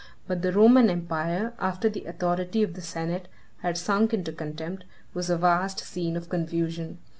But the Roman empire, after the authority of the senate had sunk into contempt, was a vast scene of confusion.